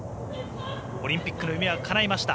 オリンピックの夢はかないました。